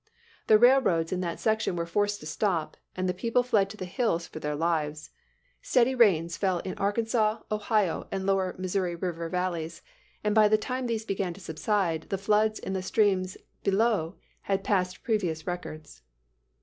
The railroads in that section were forced to stop, and the people fled to the hills for their lives. Steady rains fell in Arkansas, Ohio and lower Missouri River valleys, and by the time these began to subside, the floods in the streams below had passed previous records.